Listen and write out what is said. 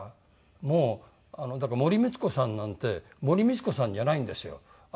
もうだから森光子さんなんて森光子さんじゃないんですよ。